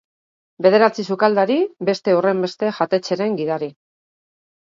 Bederatzi sukaldari, beste horrenbeste jatetxeren gidari.